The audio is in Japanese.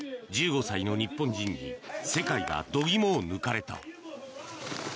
１５歳の日本人に世界は度肝を抜かれた。